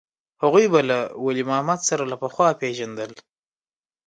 هغوى به له ولي محمد سره له پخوا پېژندل.